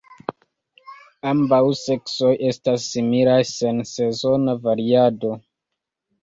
Ambaŭ seksoj estas similaj, sen sezona variado.